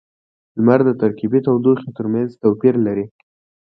• لمر د ترکيبی تودوخې ترمینځ توپیر لري.